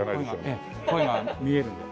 ええ鯉が見えるんです。